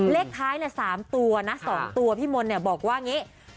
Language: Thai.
เลขท้าย๓ตัวนะ๒ตัวพี่มนต์บอกว่าอย่างนี้